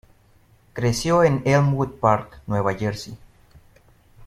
Creció en Elmwood Park, Nueva Jersey.